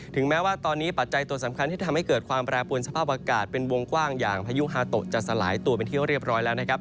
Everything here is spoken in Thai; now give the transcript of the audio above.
แม้ว่าตอนนี้ปัจจัยตัวสำคัญที่ทำให้เกิดความแปรปวนสภาพอากาศเป็นวงกว้างอย่างพายุฮาโตะจะสลายตัวเป็นที่เรียบร้อยแล้วนะครับ